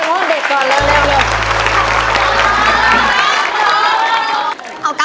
เห็นอย่างนั้น